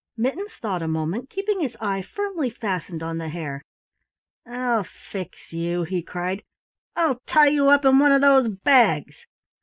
Mittens thought a moment, keeping his eye firmly fastened on the Hare. "I'll fix you," he cried, "I'll tie you up in one of those bags!"